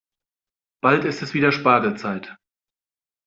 Bald ist es wieder Spargelzeit.